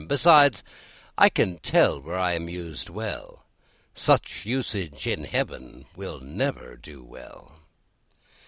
Besides, I can tell where I am used well; Such usage in heaven will never do well.